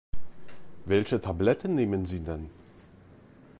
Welche Tabletten nehmen Sie denn?